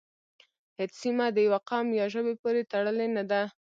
هیڅ سیمه د یوه قوم یا ژبې پورې تړلې نه ده